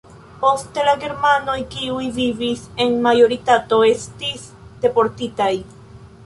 Poste la germanoj, kiuj vivis en majoritato, estis deportitaj.